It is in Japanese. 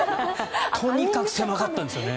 とにかく狭かったんですよね。